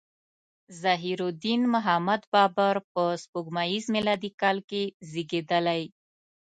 ظهیرالدین محمد بابر په سپوږمیز میلادي کال کې زیږیدلی.